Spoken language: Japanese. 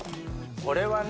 これはね！